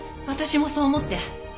私もそう思って。